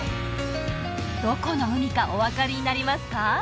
どこの海かお分かりになりますか？